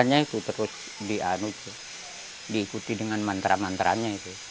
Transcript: dan itu harus diikuti dengan mantra mantra